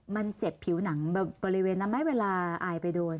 มันเจ็บผิวหนังบริเวณนั้นไหมเวลาอายไปโดน